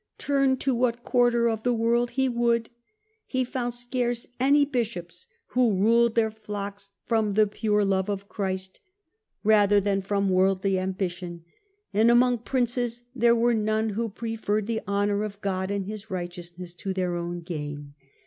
' Turn to what quarter of the world he would, he found scarce any bishops who ruled their flocks from the pure love of Christ rather than from yGS^gk lOO HiLDEBRAND worldly ambition, and among princes there were none who preferred the honour of God and His righteousness to their own gain.